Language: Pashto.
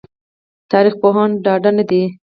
تاريخ پوهان ډاډه نه دي